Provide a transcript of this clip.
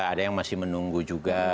ada yang masih menunggu juga